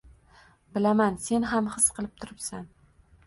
Bilaman sen ham his qilib turibsan.